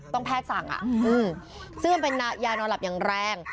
แพทย์สั่งซึ่งมันเป็นยานอนหลับอย่างแรง